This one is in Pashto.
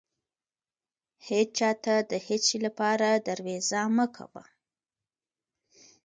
هيچا ته د هيڅ شې لپاره درويزه مه کوه.